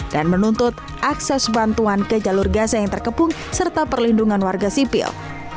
dan menuntut akses bantuan ke jalur gaza yang terkepung serta perlindungan warga zipil